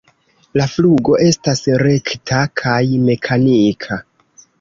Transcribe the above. La flugo estas rekta kaj mekanika.